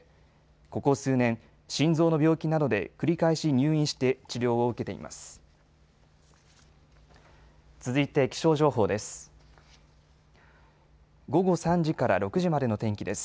ここ数年、心臓の病気などで繰り返し入院して、治療を受けています。